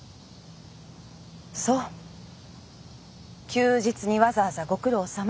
休日にわざわざご苦労さま。